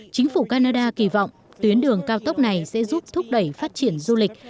chính phủ canada kỳ vọng tuyến đường cao tốc này sẽ giúp thúc đẩy phát triển du lịch